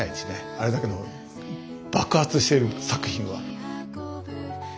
あれだけの爆発している作品は。